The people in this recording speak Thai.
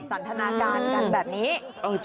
สันทนาการกันแบบนี้